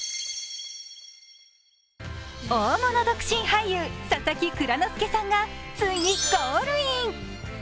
大物独身俳優・佐々木蔵之介さんが、ついにゴールイン！